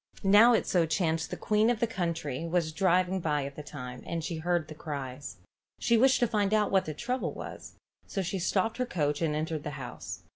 Now it so chanced the queen of the country was driving by at that time, and she heard the cries. She wished to find out what the trouble was, so she stopped her coach and entered the house.